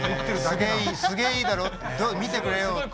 「すげえいいだろ」って「見てくれよ」って。